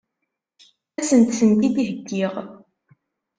Ad sent-tent-id-heggiɣ?